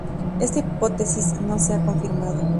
Esta hipótesis no se ha confirmado.